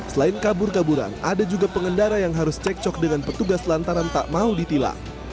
selain kabur kaburan ada juga pengendara yang harus cekcok dengan petugas lantaran tak mau ditilang